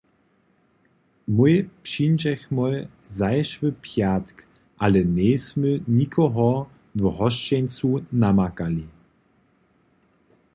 Mój přińdźechmoj zašły pjatk, ale njejsmy nikoho w hosćencu namakali.